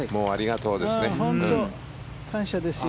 本当に感謝ですよ。